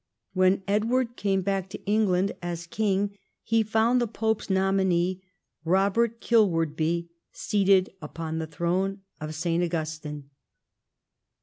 When Edward came back to England as king he found the pope's nominee, Robert Kilwardby, seated upon the throne of St. Augustine.